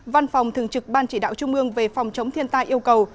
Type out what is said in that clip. văn phòng thường trực ban chỉ đạo trung ương về phòng chống thiên tai yêu cầu